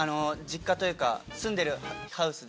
実家というか住んでるハウス。